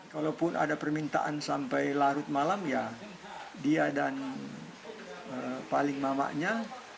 kalaupun ada permintaan sampai larut malam ya dia dan paling mamanya